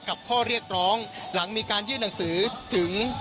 ข้อเรียกร้องหลังมีการยื่นหนังสือถึง